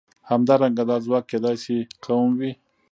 همدارنګه دا ځواک کېدای شي قوم وي.